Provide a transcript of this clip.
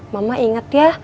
mama inget ya